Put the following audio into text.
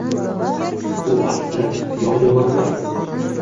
U, aslida, yogʻni yomon koʻrardi